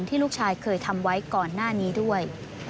ลูกชายเคยทำไว้ก่อนหน้านี้ด้วย